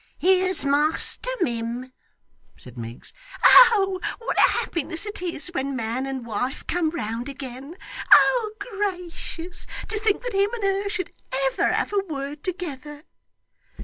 'Here's master, mim,' said Miggs. 'Oh, what a happiness it is when man and wife come round again! Oh gracious, to think that him and her should ever have a word together!